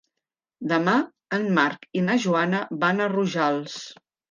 Demà en Marc i na Joana van a Rojals.